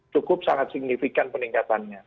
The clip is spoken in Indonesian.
cukup sangat signifikan peningkatannya